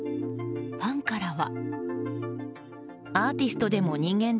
ファンからは。